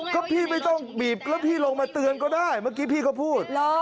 ก็พี่ไม่ต้องบีบแล้วพี่ลงมาเตือนก็ได้เมื่อกี้พี่เขาพูด